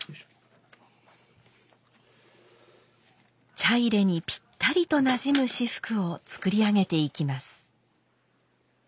茶入にぴったりとなじむ仕覆を作り上げていきます。